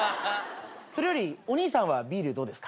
それよりお兄さんはビールどうですか？